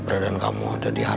sebenarnya kamu tidak sek choi